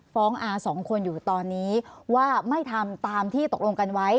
อาสองคนอยู่ตอนนี้ว่าไม่ทำตามที่ตกลงกันไว้